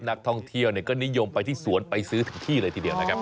นักท่องเที่ยวก็นิยมไปที่สวนไปซื้อถึงที่เลยทีเดียวนะครับ